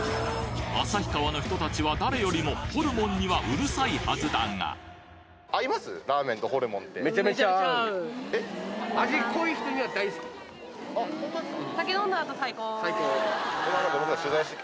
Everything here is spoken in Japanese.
旭川の人達は誰よりもホルモンにはうるさいはずだがあほんまですか？